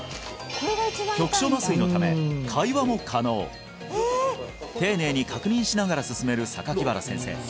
局所麻酔のため会話も可能丁寧に確認しながら進める榊原先生